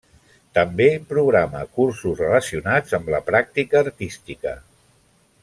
També programa cursos relacionats amb la pràctica artística.